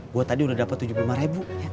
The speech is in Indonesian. gue tadi udah dapat tujuh puluh lima ribu